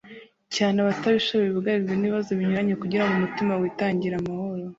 cyane abatishoboye bugarijwe n'ibibazo binyuranye, kugira umutima witangira amahoro